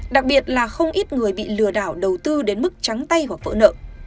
đặc biệt là không ít người bị lừa đảo đầu tư đến mức trắng tay hoặc vỡ nợ